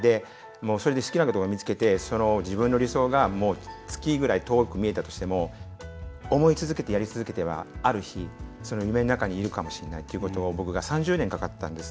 それで好きなことを見つけて自分の理想が月ぐらい遠く見えたとしても思い続けて、やり続けていればある日、夢の中にいるかもしれないっていうことを僕が３０年かかったんです。